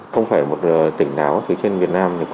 không phải một tỉnh nào phía trên việt nam